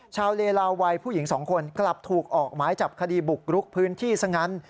เลลาวัยผู้หญิงสองคนกลับถูกออกหมายจับคดีบุกรุกพื้นที่ซะงั้น